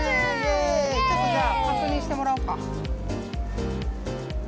ちょっとじゃあ確認してもらおうか。